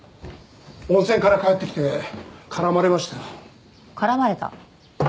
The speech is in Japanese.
温泉から帰ってきて絡まれました絡まれた？